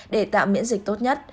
để tạo miễn dịch tốt nhất